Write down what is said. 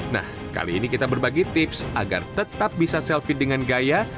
nah kali ini kita berbagi tips agar tetap bisa selfie dengan gaya